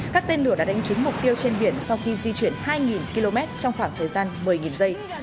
các tên lửa đã đánh trúng mục tiêu trên biển sau khi di chuyển hai km trong khoảng thời gian một mươi giây